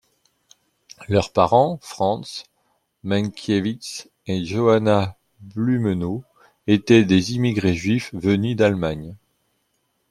Leurs parents, Franz Mankiewicz et Johanna Blumenau, étaient des immigrés juifs venus d'Allemagne.